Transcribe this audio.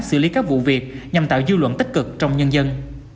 xử lý các vụ việc nhằm tạo dư luận tích cực trong nhân dân